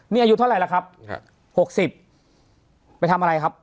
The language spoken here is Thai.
นี่อายุเท่าไรล่ะครับครับหกสิบไปทำอะไรครับ